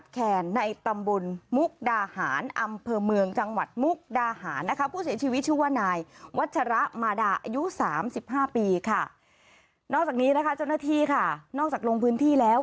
นอกจากนี้นะคะเจ้าหน้าที่ค่ะนอกจากลงพื้นที่แล้ว